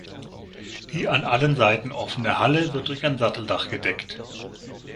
Die an allen Seiten offene Halle wird durch ein Satteldach gedeckt.